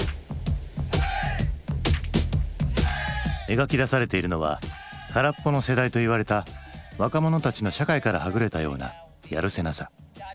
描き出されているのは「空っぽの世代」といわれた若者たちの社会からはぐれたようなやるせなさ。